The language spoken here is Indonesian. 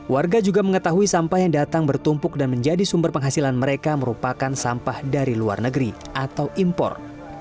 warga juga mengetahui sampah yang datang bertumpuk dan menjadi sumber penghasilan mereka merupakan sampah dari luar negeri atau impor